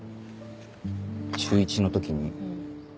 中１の時に。